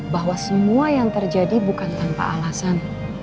bahwa semua yang terjadi bukan tanpa alasan